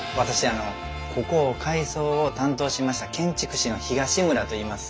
あのここを改装を担当しました建築士の東村といいます。